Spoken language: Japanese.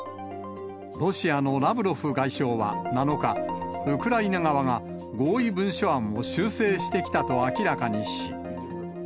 ロシアのラブロフ外相は７日、ウクライナ側が合意文書案を修正してきたと明らかにし。